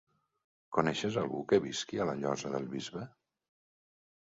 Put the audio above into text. Coneixes algú que visqui a la Llosa del Bisbe?